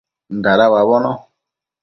Dada uabono